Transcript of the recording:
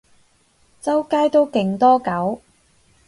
周街都勁多狗